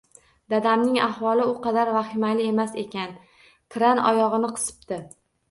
Dadamning ahvoli u qadar vahimali emas ekan, kran oyogʻini qisibdi.